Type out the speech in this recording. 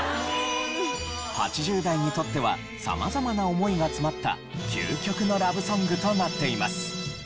８０代にとっては様々な思いが詰まった究極のラブソングとなっています。